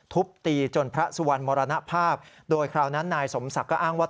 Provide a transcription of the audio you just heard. ทุบตีจนพระสุวรรณมรณภาพโดยคราวนั้นนายสมศักดิ์ก็อ้างว่า